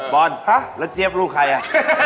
บอร์นแล้วเจ๊ยบรูปใครน่ะ